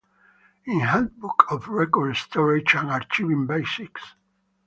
In Handbook of Record Storage and Archiving Basics.